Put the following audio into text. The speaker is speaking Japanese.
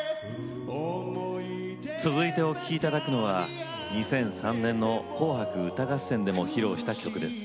続いてお聴きいただくのは２００３年の「紅白歌合戦」でも披露した曲です。